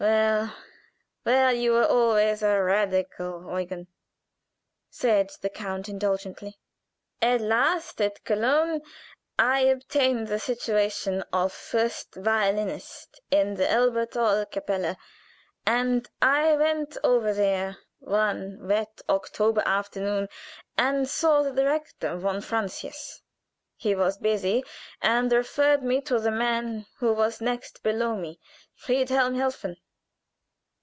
"Well, well! You were always a radical, Eugen," said the count, indulgently. "At last, at Köln I obtained the situation of first violinist in the Elberthal Kapelle, and I went over there one wet October afternoon and saw the director, von Francius. He was busy, and referred me to the man who was next below me, Friedhelm Helfen."